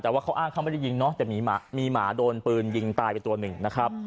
แต่ว่าเขาอ้างเขาไม่ได้ยิงเนอะแต่มีหมาโดนปืนยิงตายไปตัวหนึ่งนะครับ